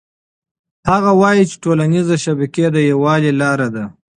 هغه وایي چې ټولنيزې شبکې د یووالي لاره ده.